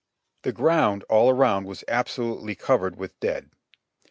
The ground all around was absolutely covered with dead.